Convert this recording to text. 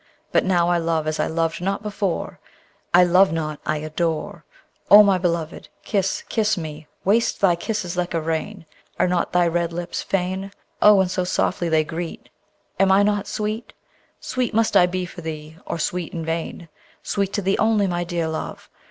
But now I love as I loved not before; I love not; I adore! O my beloved, kiss, kiss me! waste thy kisses like a rain. Are not thy red lips fain? Oh, and so softly they greet! Am I not sweet? Sweet must I be for thee, or sweet in vain: Sweet to thee only, my dear love!